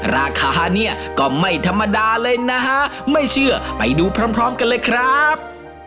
ราคาเนี่ยก็ไม่ธรรมดาเลยนะฮะไม่เชื่อไปดูพร้อมกันเลยครับ